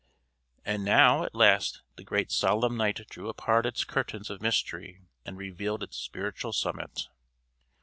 And now at last the Great Solemn Night drew apart its curtains of mystery and revealed its spiritual summit.